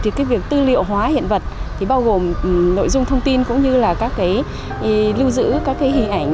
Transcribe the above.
thì việc tư liệu hóa hiện vật thì bao gồm nội dung thông tin cũng như là các lưu giữ các hình ảnh